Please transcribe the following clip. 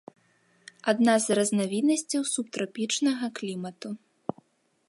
Адна з разнавіднасцяў субтрапічнага клімату.